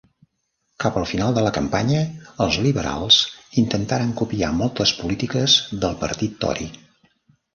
Cap al final de la campanya, els Liberals intentaren copiar moltes polítiques del partit Tory.